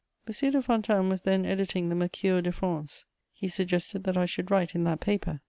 M. de Fontanes was then editing the Mercure de France: he suggested that I should write in that paper.